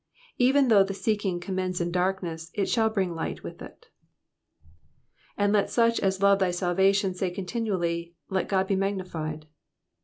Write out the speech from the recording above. Even though the seeking commence in darkness, it shall bring light with it. *'^And let such as love thy salvation say continually ^ Let Ood he magnified.'